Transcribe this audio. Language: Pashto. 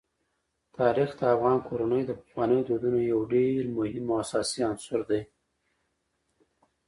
تاریخ د افغان کورنیو د پخوانیو دودونو یو ډېر مهم او اساسي عنصر دی.